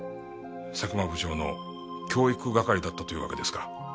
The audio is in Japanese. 佐久間部長の教育係だったというわけですか。